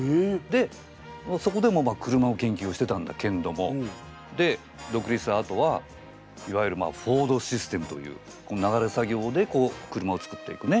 でそこでもまあ車を研究をしてたんだけんどもでどくりつしたあとはいわゆるフォードシステムという流れ作業でこう車をつくっていくね